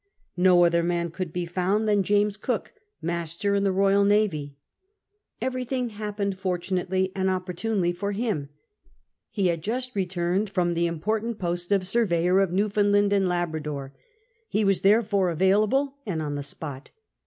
No other man could be found than James Cook, master in the Royal Navy. Everything happened fortunately and opportunely for him; he had just returned from the important post of surveyor of Newfoundland and Labrador ; he was therefore available, and on the spot.